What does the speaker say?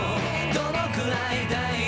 「どのくらいだい？